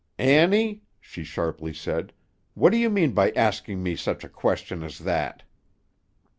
"Annie," she sharply said, "what do you mean by asking me such a question as that?"